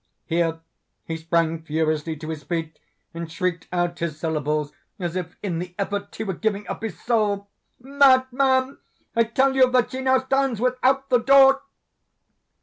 —here he sprang furiously to his feet, and shrieked out his syllables, as if in the effort he were giving up his soul—"_Madman! I tell you that she now stands without the door!